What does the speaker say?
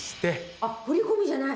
あっ振り込みじゃない。